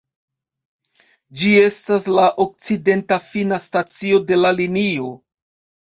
Ĝi estas la okcidenta fina stacio de la linio.